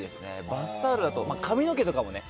バスタオルだと、髪の毛とかもね。